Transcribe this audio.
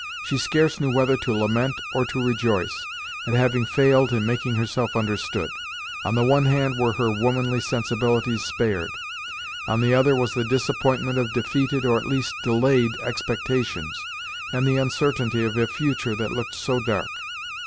She scarce knew whether to lament, or to rejoice, at having failed in making herself understood. On the one hand were her womanly sensibilities spared; on the other was the disappointment of defeated, or at least of delayed expectations, and the uncertainty of a future that looked so dark.